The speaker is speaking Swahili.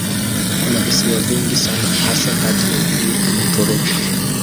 Kuna visiwa vingi sana hasa kati ya Ugiriki na Uturuki.